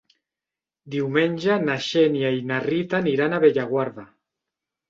Diumenge na Xènia i na Rita aniran a Bellaguarda.